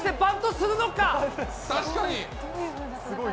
確かに！